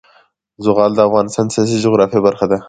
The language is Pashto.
زغال د افغانستان د سیاسي جغرافیه برخه ده.